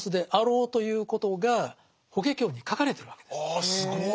あすごい。